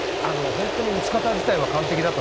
本当に打ち方自体は完璧だっ